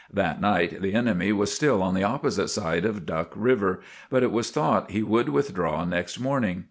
That night the enemy was still on the opposite side of Duck River, but it was thought he would withdraw next morning.